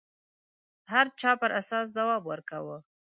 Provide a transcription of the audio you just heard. هر چا پر اساس ځواب ورکاوه